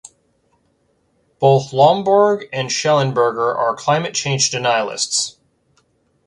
Both Lomborg and Shellenberger are climate change denialists.